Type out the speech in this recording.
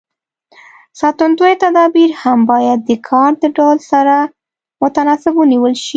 ساتندوی تدابیر هم باید د کار د ډول سره متناسب ونیول شي.